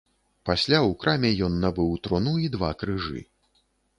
Пасля ў краме ён набыў труну і два крыжы.